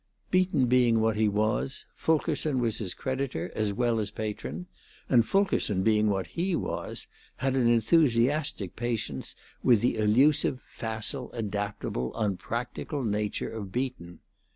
Beaton being what he was, Fulkerson was his creditor as well as patron; and Fulkerson being what he was, had an enthusiastic patience with the elusive, facile, adaptable, unpractical nature of Beaton.